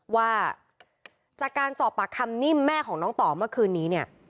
ว่าจากการสอบปากคำนิ่มแม่ของน้องต่อเมื่อคืนนี้เนี่ย